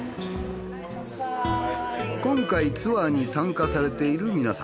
今回ツアーに参加されている皆様。